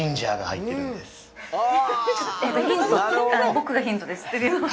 僕がヒントですっていうのは？